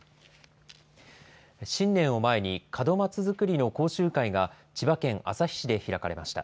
新年を前に、門松作りの講習会が千葉県旭市で開かれました。